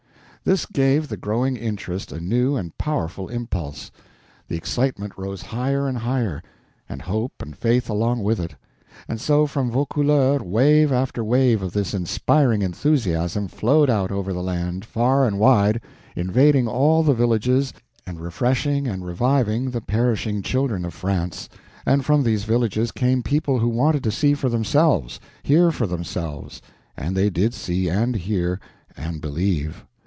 This gave the growing interest a new and powerful impulse; the excitement rose higher and higher, and hope and faith along with it; and so from Vaucouleurs wave after wave of this inspiring enthusiasm flowed out over the land, far and wide, invading all the villages and refreshing and revivifying the perishing children of France; and from these villages came people who wanted to see for themselves, hear for themselves; and they did see and hear, and believe.